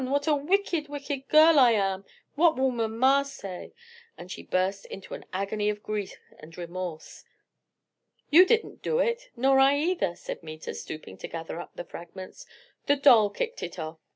what a wicked, wicked girl I am! what will mamma say!" And she burst into an agony of grief and remorse. "You didn't do it, nor I either," said Meta; stooping to gather up the fragments, "the doll kicked it off.